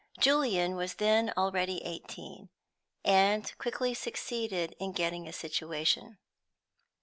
Julian was then already eighteen, and quickly succeeded in getting a situation.